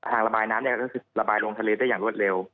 ระบายน้ำเนี่ยก็คือระบายลงทะเลได้อย่างรวดเร็ว